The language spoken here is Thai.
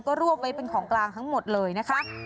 ก็รวบไว้เป็นของกลางทั้งหมดเลยนะคะ